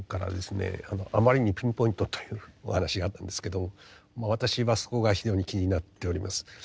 あまりにピンポイントというお話があったんですけども私はそこが非常に気になっております。